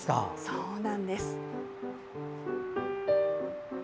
そうなんです。